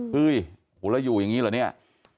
เฮ้ยแล้วอยู่อย่างนี้เหรอเนี่ย